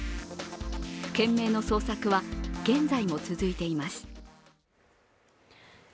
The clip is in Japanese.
懸命の捜索は現在も続いています。